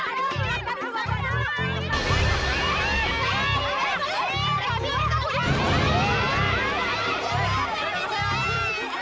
aduh di mana